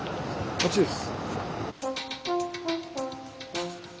あっちです。